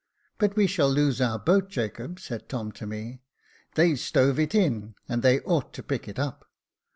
" But we shall lose our boat, Jacob," said Tom to me. " They stove it in, and they ought to pick it up."